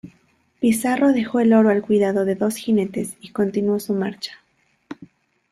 Pizarro dejó el oro al cuidado de dos jinetes y continuó su marcha.